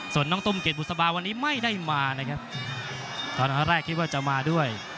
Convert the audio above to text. ส่วนน้องตุ้มเกรดบุษบาวันนี้ไม่ได้มานะครับตอนแรกคิดว่าจะมาด้วย